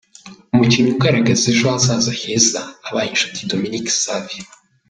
Umukinnyi ugaragaza ejo hazaza heza abaye Nshuti Dominique Savio.